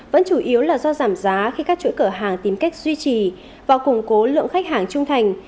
vẫn chủ yếu là do giảm giá khi các chuỗi cửa hàng tìm cách duy trì và củng cố lượng khách hàng trung thành